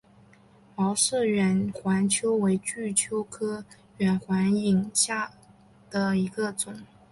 毛氏远环蚓为巨蚓科远环蚓属下的一个种。